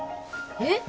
えっ！？